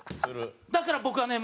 だから僕はね